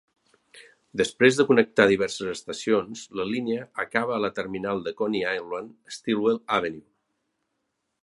Després de connectar diverses estacions, la línia acaba a la terminal de Coney Island-Stillwell Avenue.